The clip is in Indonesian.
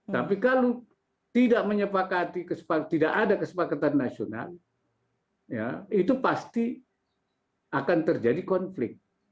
tapi kalau tidak ada kesepakatan nasional itu pasti akan terjadi konflik